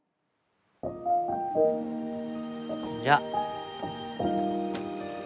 じゃあ。